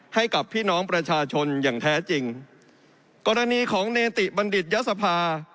ให้กับพี่น้องประชาชนอย่างแท้จริงกรณีของเนติบัณฑิตยศภา